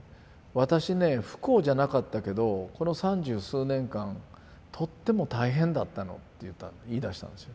私ね不幸じゃなかったけどこの三十数年間とっても大変だったのって言いだしたんですよ。